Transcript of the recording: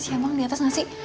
siap bang di atas gak sih